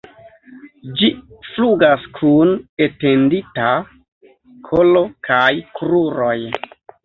Ĝi flugas kun etendita kolo kaj kruroj.